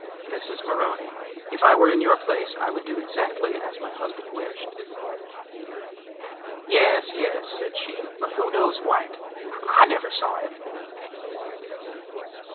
"Mrs. Maroney, if I were in your place, I would do exactly as my husband wished." "Yes, yes," said she, "but who knows White? I never saw him."